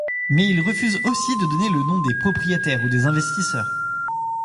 Mais il refuse aussi de donner le nom des propriétaires ou des investisseurs.